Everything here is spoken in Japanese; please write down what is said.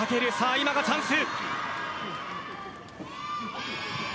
今がチャンス。